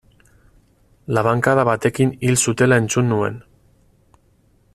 Labankada batekin hil zutela entzun nuen.